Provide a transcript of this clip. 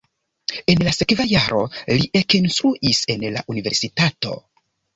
En la sekva jaro li ekinstruis en la universitato.